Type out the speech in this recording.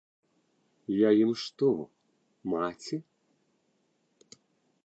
Я ім што, маці?